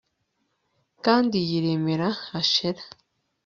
Kandi yiremera Ashera